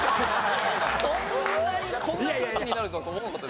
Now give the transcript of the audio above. そんなにこんな空気になるとは思わなかった。